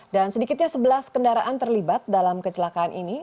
dan sedikitnya sebelas kendaraan terlibat dalam kecelakaan ini